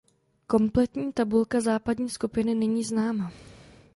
Kompletní tabulka západní skupiny není známa.